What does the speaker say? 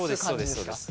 そうです。